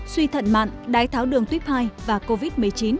suy thận mạn đái tháo đường tuyếp hai và covid một mươi chín